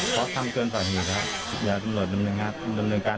เพราะทำเกินสาเหตุและตำรวจดำเนินการถึงที่สุดเลยครับ